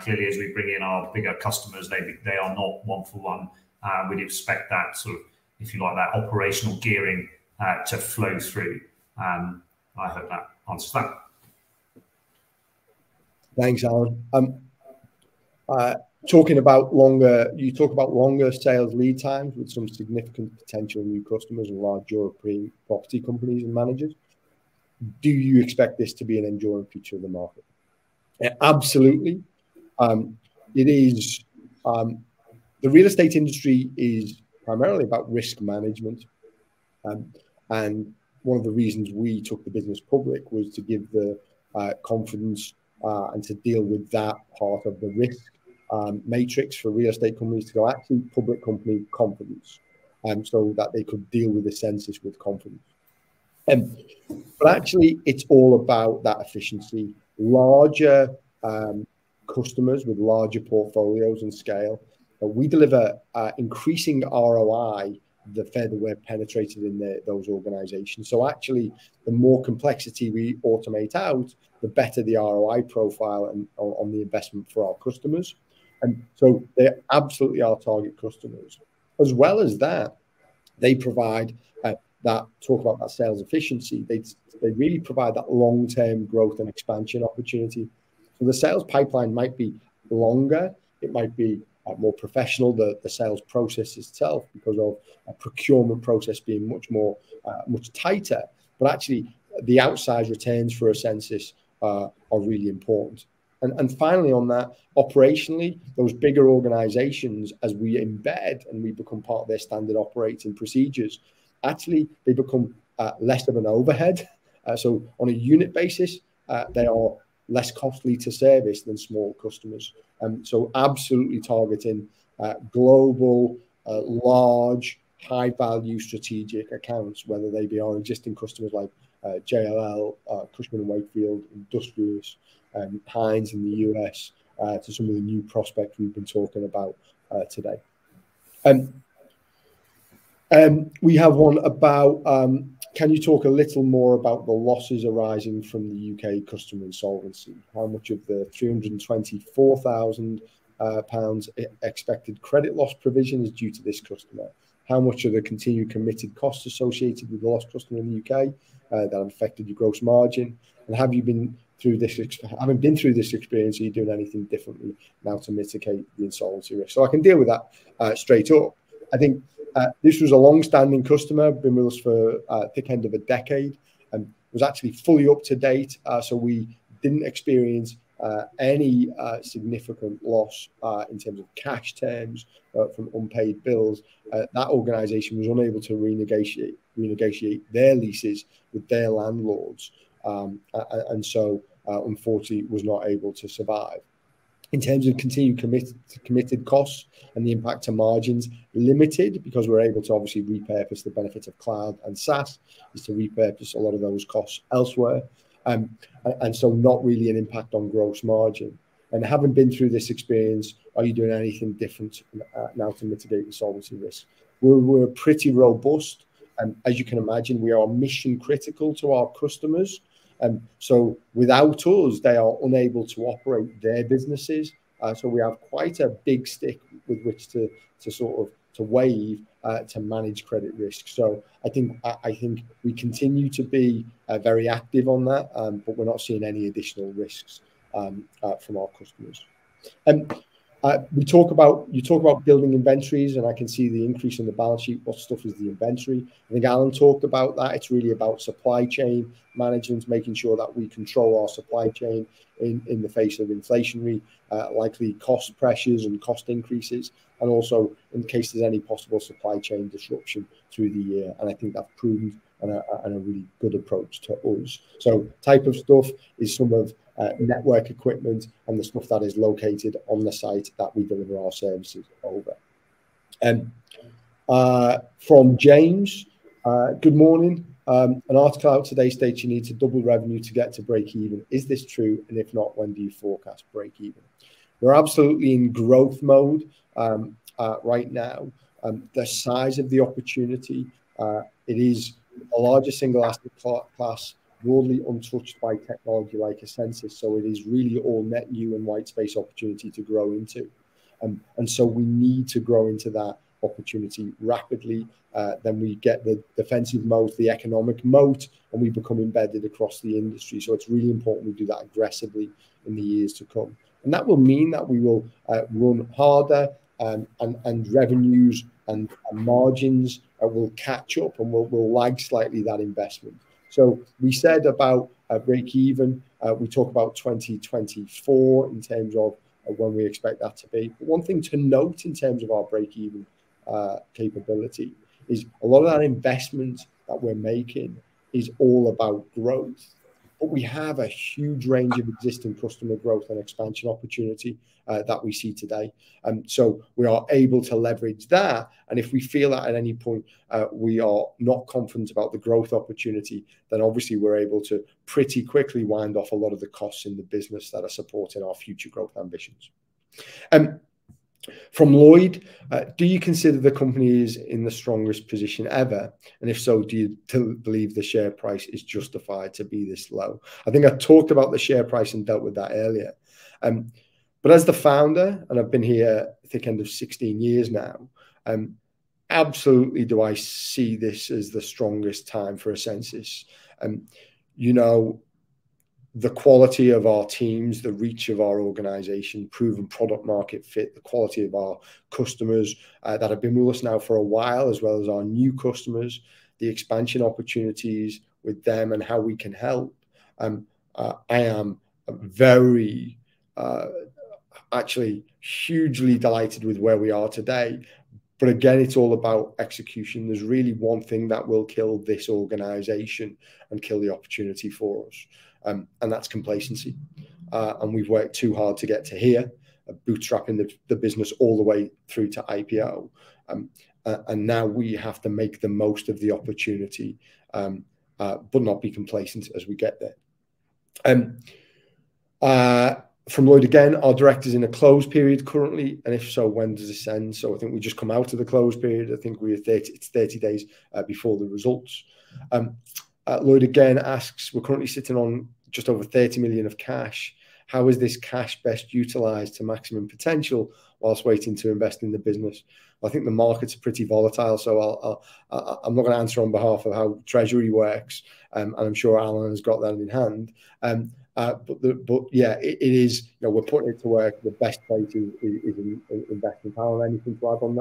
[SPEAKER 3] Clearly as we bring in our bigger customers, they are not one for one. We'd expect that sort of, if you like, that operational gearing to flow through. I hope that answers that.
[SPEAKER 2] Thanks, Alan. You talk about longer sales lead times with some significant potential new customers and large European property companies and managers. Do you expect this to be an enduring feature of the market? Absolutely. The real estate industry is primarily about risk management. One of the reasons we took the business public was to give the confidence and to deal with that part of the risk matrix for real estate companies to go, "Actually, public company confidence," so that they could deal with essensys with confidence. Actually it's all about that efficiency. Larger customers with larger portfolios and scale, we deliver increasing ROI the further we're penetrated in those organizations. Actually, the more complexity we automate out, the better the ROI profile and on the investment for our customers. They're absolutely our target customers. As well as that, they provide that sales efficiency. They really provide that long-term growth and expansion opportunity. The sales pipeline might be longer, it might be more professional, the sales process itself, because of a procurement process being much tighter. Actually the outsize returns for essensys are really important. Finally on that, operationally, those bigger organizations as we embed, and we become part of their standard operating procedures, actually they become less of an overhead. On a unit basis, they are less costly to service than small customers. Absolutely targeting global large high-value strategic accounts, whether they be our existing customers like JLL, Cushman & Wakefield, Industrious, Hines in the U.S., to some of the new prospects we've been talking about today. We have one about can you talk a little more about the losses arising from the U.K. customer insolvency? How much of the 224,000 pounds expected credit loss provision is due to this customer? How much of the continued committed costs associated with the lost customer in the U.K. that affected your gross margin? Having been through this experience, are you doing anything differently now to mitigate the insolvency risk? I can deal with that straight up. I think this was a long-standing customer, been with us for thick end of a decade and was actually fully up to date. So we didn't experience any significant loss in terms of cash terms from unpaid bills. That organization was unable to renegotiate their leases with their landlords, and so unfortunately was not able to survive. In terms of continued committed costs and the impact to margins, limited, because we're able to obviously repurpose the benefits of cloud and SaaS, is to repurpose a lot of those costs elsewhere, and so not really an impact on gross margin. Having been through this experience, are you doing anything different now to mitigate the solvency risk? We're pretty robust, and as you can imagine, we are mission critical to our customers. Without us, they are unable to operate their businesses. We have quite a big stick with which to sort of wave to manage credit risk. I think we continue to be very active on that. But we're not seeing any additional risks from our customers. You talk about building inventories, and I can see the increase in the balance sheet. What stuff is the inventory? I think Alan talked about that. It's really about supply chain management, making sure that we control our supply chain in the face of inflationary likely cost pressures and cost increases, and also in case there's any possible supply chain disruption through the year. I think that's proven a really good approach to us. Type of stuff is some of network equipment and the stuff that is located on the site that we deliver our services over. Good morning. An article out today states you need to double revenue to get to breakeven. Is this true? And if not, when do you forecast breakeven? We're absolutely in growth mode right now. The size of the opportunity, it is the largest single asset class, broadly untouched by technology like essensys, so it is really all net new and white space opportunity to grow into. We need to grow into that opportunity rapidly, then we get the defensive moat, the economic moat, and we become embedded across the industry. It's really important we do that aggressively in the years to come. That will mean that we will run harder, and revenues and margins will catch up, and we'll lag slightly that investment. We said about a breakeven. We talk about 2024 in terms of when we expect that to be. One thing to note in terms of our breakeven capability is a lot of that investment that we're making is all about growth. We have a huge range of existing customer growth and expansion opportunity that we see today. We are able to leverage that, and if we feel that at any point we are not confident about the growth opportunity, then obviously we're able to pretty quickly wind off a lot of the costs in the business that are supporting our future growth ambitions. From Lloyd. Do you consider the company is in the strongest position ever? If so, do you believe the share price is justified to be this low? I think I talked about the share price and dealt with that earlier. As the founder, and I've been here thick end of 16 years now, absolutely do I see this as the strongest time for essensys. You know, the quality of our teams, the reach of our organization, proven product market fit, the quality of our customers, that have been with us now for a while, as well as our new customers, the expansion opportunities with them and how we can help. I am very, actually hugely delighted with where we are today. Again, it's all about execution. There's really one thing that will kill this organization and kill the opportunity for us, and that's complacency. We've worked too hard to get to here, bootstrapping the business all the way through to IPO. Now we have to make the most of the opportunity, but not be complacent as we get there. From Lloyd again. Are directors in a closed period currently? And if so, when does this end? I think we've just come out of the closed period. I think it's 30 days before the results. Lloyd again asks, we're currently sitting on just over 30 million of cash. How is this cash best utilized to maximum potential while waiting to invest in the business? I think the market's pretty volatile, so I'm not gonna answer on behalf of how treasury works. I'm sure Alan has got that in hand. Yeah, it is, you know, we're putting it to work. The best way is in investing. Alan, anything to add on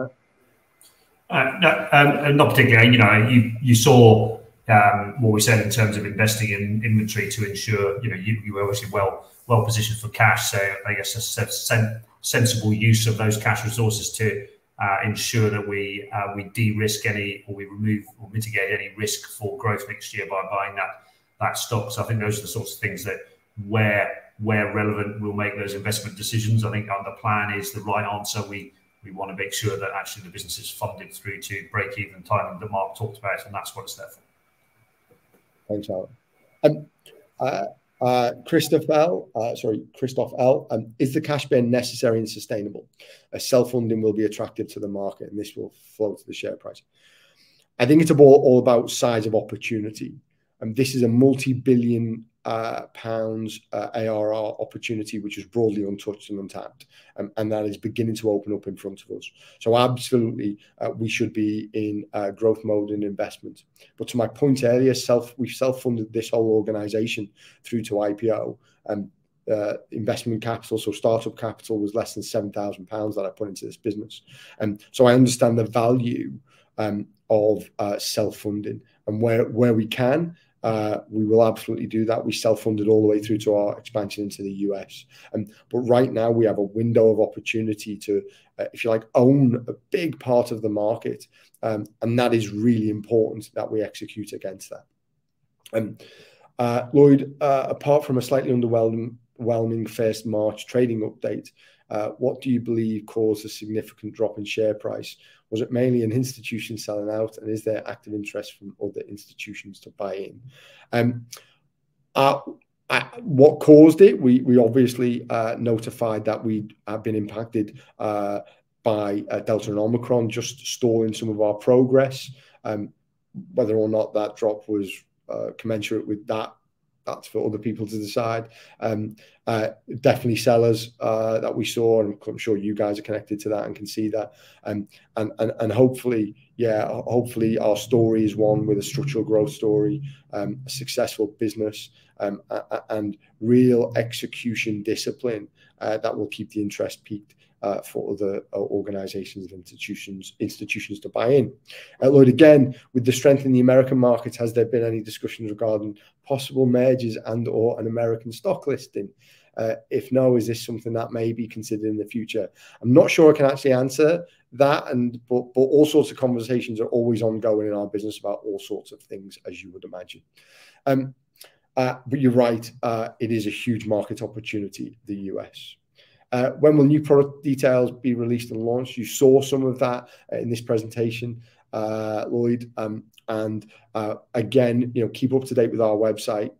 [SPEAKER 2] that?
[SPEAKER 3] No, not particularly. You know, you saw what we said in terms of investing in inventory to ensure, you know, you were obviously well-positioned for cash. I guess a sensible use of those cash resources to ensure that we de-risk any, or we remove or mitigate any risk for growth next year by buying that stock. I think those are the sorts of things that, where relevant, we'll make those investment decisions. I think the plan is the right answer. We wanna make sure that actually the business is funded through to breakeven time, that Mark talked about, and that's what it's there for.
[SPEAKER 2] Thanks, Alan. Christoph L., sorry, Christoph L. Is the cash burn necessary and sustainable? Self-funding will be attractive to the market, and this will flow to the share price. I think it's all about size of opportunity. This is a multi-billion GBP ARR opportunity, which is broadly untouched and untapped. That is beginning to open up in front of us. Absolutely, we should be in growth mode and investment. To my point earlier, we've self-funded this whole organization through to IPO. Investment capital, so startup capital was less than 7,000 pounds that I put into this business. I understand the value of self-funding. Where we can, we will absolutely do that. We self-funded all the way through to our expansion into the U.S. Right now we have a window of opportunity to, if you like, own a big part of the market. That is really important that we execute against that. Lloyd, apart from a slightly underwhelming first March trading update, what do you believe caused a significant drop in share price? Was it mainly an institution selling out, and is there active interest from other institutions to buy in? What caused it? We obviously notified that we have been impacted by Delta and Omicron just stalling some of our progress. Whether or not that drop was commensurate with that's for other people to decide. Definitely sellers that we saw, and I'm sure you guys are connected to that and can see that. Hopefully our story is one with a structural growth story, a successful business, and real execution discipline that will keep the interest piqued for other organizations and institutions to buy in. Lloyd, again, with the strength in the American market, has there been any discussions regarding possible mergers and/or an American stock listing? If no, is this something that may be considered in the future? I'm not sure I can actually answer that but all sorts of conversations are always ongoing in our business about all sorts of things, as you would imagine. But you're right, it is a huge market opportunity, the U.S. When will new product details be released and launched? You saw some of that in this presentation, Lloyd. Again, you know, keep up to date with our website.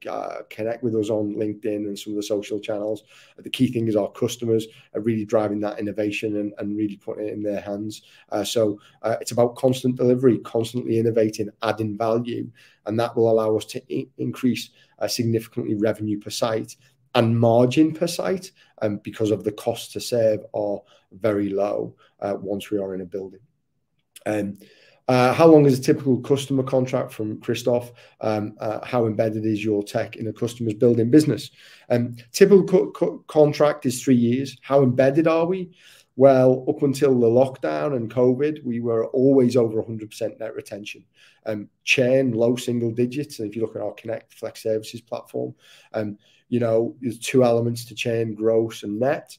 [SPEAKER 2] Connect with us on LinkedIn and some of the social channels. The key thing is our customers are really driving that innovation and really putting it in their hands. It's about constant delivery, constantly innovating, adding value, and that will allow us to increase significantly revenue per site and margin per site because the cost to serve are very low once we are in a building. How long is a typical customer contract, from Christoph. How embedded is your tech in a customer's building business? Typical contract is three years. How embedded are we? Well, up until the lockdown and COVID, we were always over 100% net retention. Churn, low single digits if you look at our Connect Flex Services platform. You know, there's two elements to churn, gross and net.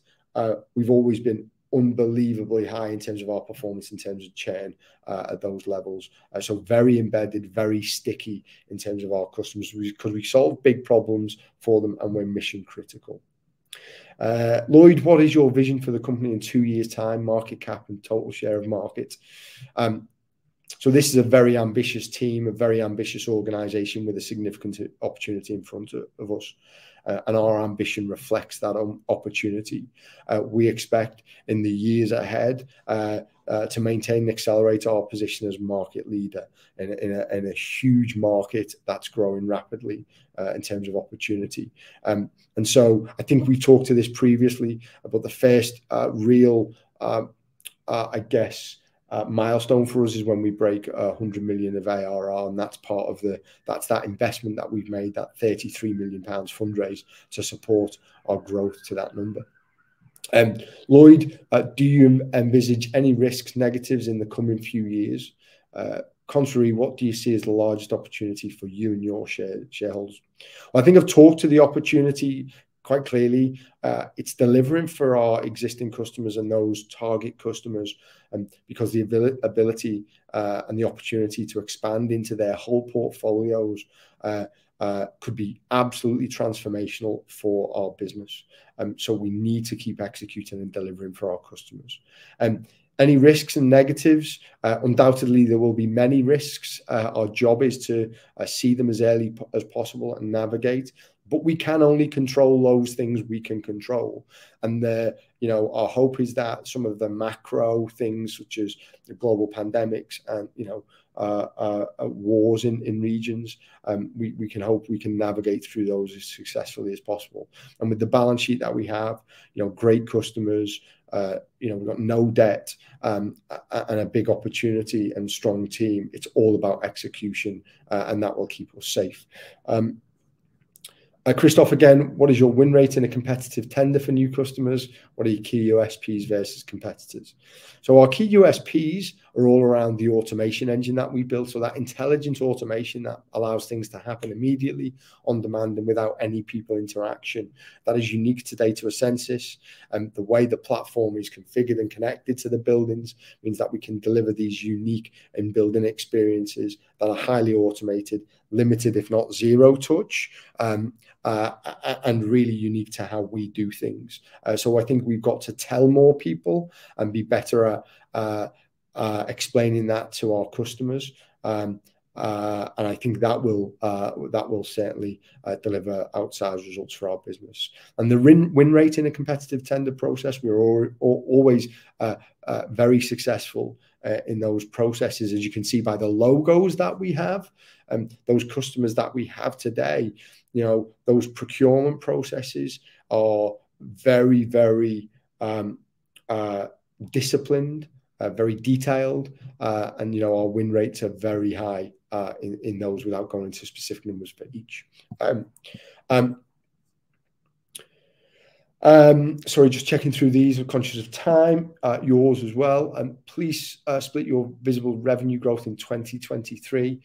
[SPEAKER 2] We've always been unbelievably high in terms of our performance, in terms of churn, at those levels. Very embedded, very sticky in terms of our customers because we solve big problems for them and we're mission critical. Lloyd, what is your vision for the company in two years' time, market cap and total share of market? This is a very ambitious team, a very ambitious organization with a significant opportunity in front of us. Our ambition reflects that opportunity. We expect in the years ahead to maintain and accelerate our position as market leader in a huge market that's growing rapidly in terms of opportunity. I think we've talked to this previously about the first real milestone for us, I guess, is when we break 100 million of ARR, and that's that investment that we've made, 33 million pounds fundraise to support our growth to that number. Lloyd, do you envisage any risks, negatives in the coming few years? Contrary, what do you see as the largest opportunity for you and your shareholders? I think I've talked to the opportunity quite clearly. It's delivering for our existing customers and those target customers because the ability and the opportunity to expand into their whole portfolios could be absolutely transformational for our business. We need to keep executing and delivering for our customers. Any risks and negatives, undoubtedly there will be many risks. Our job is to see them as early as possible and navigate, but we can only control those things we can control. You know, our hope is that some of the macro things such as the global pandemics and, you know, wars in regions, we can hope we can navigate through those as successfully as possible. With the balance sheet that we have, you know, great customers, you know, we've got no debt, and a big opportunity and strong team, it's all about execution, and that will keep us safe. Christoph L., again, what is your win rate in a competitive tender for new customers? What are your key USPs versus competitors? Our key USPs are all around the automation engine that we built. That intelligence automation that allows things to happen immediately on demand and without any people interaction. That is unique today to essensys. The way the platform is configured and connected to the buildings means that we can deliver these unique in-building experiences that are highly automated, limited, if not zero touch, and really unique to how we do things. I think we've got to tell more people and be better at explaining that to our customers. I think that will certainly deliver outsized results for our business. The win rate in a competitive tender process, we're always very successful in those processes, as you can see by the logos that we have, those customers that we have today. You know, those procurement processes are very disciplined, very detailed, and, you know, our win rates are very high in those without going into specific numbers for each. Sorry, just checking through these. We're conscious of time, yours as well. Please split your visible revenue growth in 2023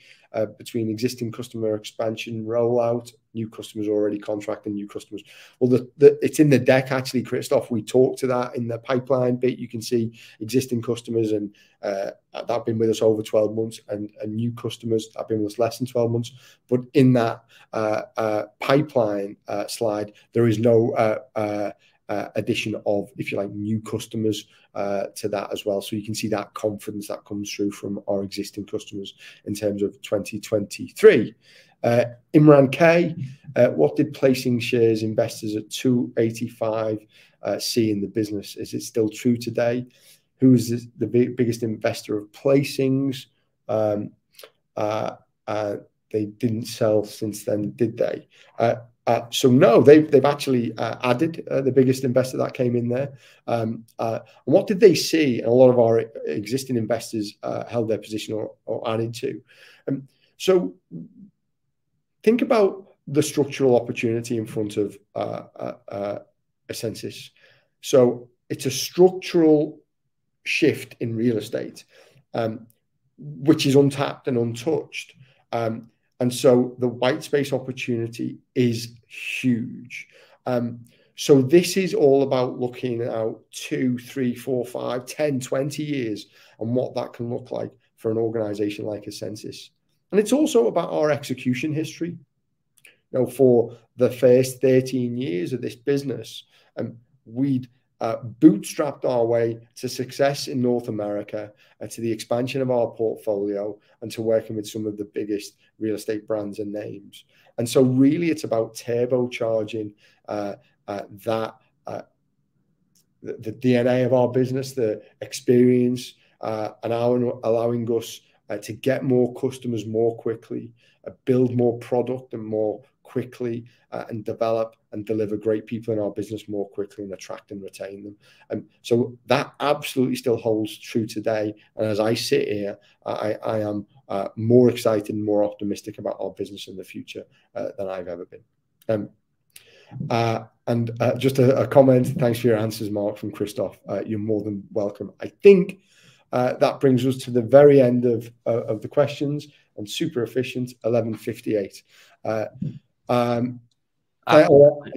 [SPEAKER 2] between existing customer expansion rollout, new customers already contracted, new customers. Well, it's in the deck actually, Christoph. We talked to that in the pipeline bit. You can see existing customers and that have been with us over 12 months and new customers that have been with us less than 12 months. In that pipeline slide, there is no addition of, if you like, new customers to that as well. You can see that confidence that comes through from our existing customers in terms of 2023. Imran K. "What did placing shares investors at 285 see in the business? Is it still true today? Who is the biggest investor of placings? They didn't sell since then, did they?" No, they've actually added, the biggest investor that came in there. What did they see? A lot of our existing investors held their position or added to. Think about the structural opportunity in front of essensys. It's a structural shift in real estate, which is untapped and untouched. The white space opportunity is huge. This is all about looking out two, three, four, five, 10, 20 years on what that can look like for an organization like essensys. It's also about our execution history. You know, for the first 13 years of this business, we'd bootstrapped our way to success in North America, to the expansion of our portfolio and to working with some of the biggest real estate brands and names. Really it's about turbocharging the DNA of our business, the experience, and allowing us to get more customers more quickly, build more product more quickly, and develop and deliver great people in our business more quickly and attract and retain them. That absolutely still holds true today. As I sit here, I am more excited and more optimistic about our business in the future than I've ever been. Just a comment. "Thanks for your answers, Mark," from Christoph. You're more than welcome. I think that brings us to the very end of the questions and super efficient, 11:58.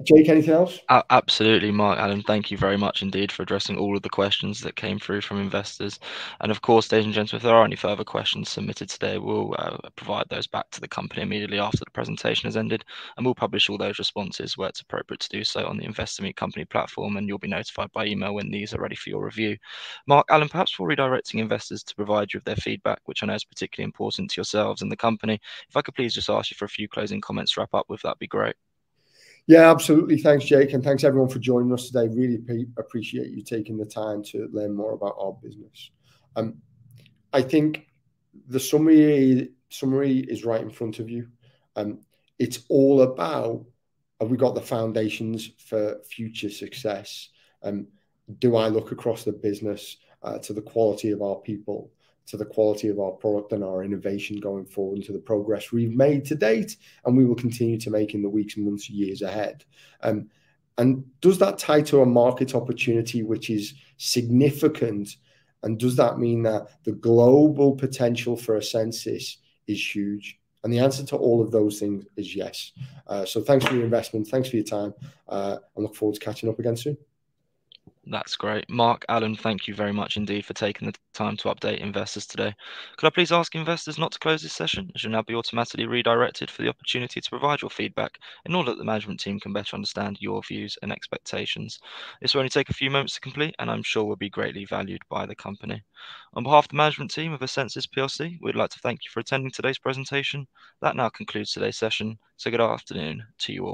[SPEAKER 2] Jake, anything else?
[SPEAKER 1] Absolutely, Mark and Alan. Thank you very much indeed for addressing all of the questions that came through from investors. Of course, ladies and gents, if there are any further questions submitted today, we'll provide those back to the company immediately after the presentation has ended, and we'll publish all those responses where it's appropriate to do so on the Investor Meet Company platform, and you'll be notified by email when these are ready for your review. Mark and Alan, perhaps before redirecting investors to provide you with their feedback, which I know is particularly important to yourselves and the company, if I could please just ask you for a few closing comments to wrap up with, that'd be great.
[SPEAKER 2] Yeah, absolutely. Thanks, Jake. Thanks everyone for joining us today. Really appreciate you taking the time to learn more about our business. I think the summary is right in front of you. It's all about have we got the foundations for future success/ Do I look across the business to the quality of our people, to the quality of our product and our innovation going forward and to the progress we've made to date and we will continue to make in the weeks and months, years ahead? Does that tie to a market opportunity which is significant? Does that mean that the global potential for essensys is huge? The answer to all of those things is yes. Thanks for your investment. Thanks for your time. I look forward to catching up again soon.
[SPEAKER 1] That's great. Mark and Alan, thank you very much indeed for taking the time to update investors today. Could I please ask investors not to close this session, as you'll now be automatically redirected for the opportunity to provide your feedback in order that the management team can better understand your views and expectations. This will only take a few moments to complete, and I'm sure will be greatly valued by the company. On behalf of the management team of essensys plc, we'd like to thank you for attending today's presentation. That now concludes today's session. Good afternoon to you all.